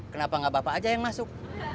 kenapa gak bapak aja yang masuk